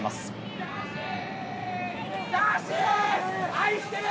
愛してる！